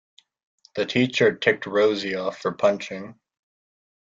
The teacher ticked Rosie off for punching.